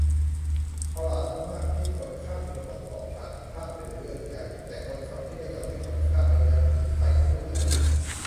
ประหลาดมากที่คนข้ามถนนนอกทางข้ามเป็นเรื่องใหญ่ แต่คนขับที่ไม่จอดให้คนข้าม ไม่ยักมีใครพูดอะไร